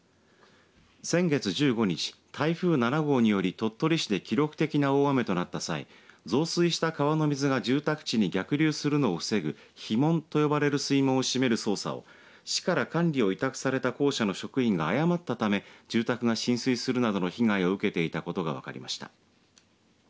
先月１５日、台風７号により鳥取市で記録的な大雨となった際増水した川の水が住宅地に逆流するのを防ぐひ門と呼ばれる水門を閉める操作を市から管理を委託された公社の職員が誤ったため住宅が浸水するなど被害を受けていたことが分かりました。